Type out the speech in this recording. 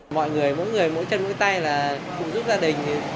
mọi người mỗi người mỗi chân mỗi tay là cùng giúp gia đình